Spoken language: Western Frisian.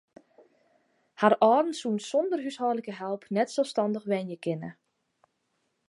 Har âlden soene sonder húshâldlike help net selsstannich wenje kinne.